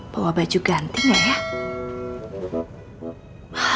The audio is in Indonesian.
bawa baju gantinya ya